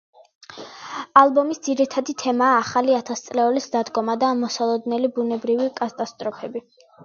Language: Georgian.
ალბომის ძირითადი თემაა ახალი ათასწლეულის დადგომა და მოსალოდნელი ბუნებრივი კატასტროფები.